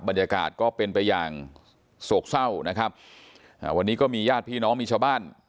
บรรยากาศก็เป็นไปอย่างโศกเศร้านะครับอ่าวันนี้ก็มีญาติพี่น้องมีชาวบ้าน